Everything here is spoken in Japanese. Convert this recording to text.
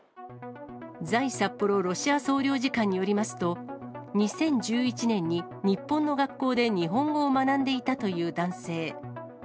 在札幌ロシア総領事館によりますと、２０１１年に日本の学校で日本語を学んでいたという男性。